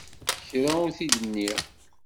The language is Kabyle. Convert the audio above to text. Kra ur t-id-nniɣ.